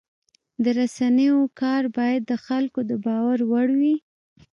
د رسنیو کار باید د خلکو د باور وړ وي.